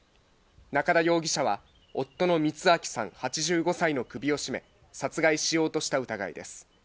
中田容疑者は夫の光昭さん８５歳の首を絞め、殺害しようとした疑いです。